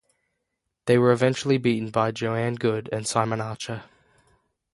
They were eventually beaten by Joanne Goode and Simon Archer.